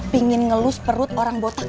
pingin ngelus perut orang botol